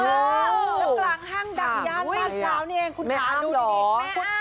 แล้วกลางห้างดังย่างข้างขาวนี้เองคุณตามดูดิน